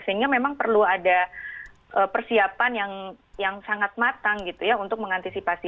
sehingga memang perlu ada persiapan yang sangat matang gitu ya untuk mengantisipasi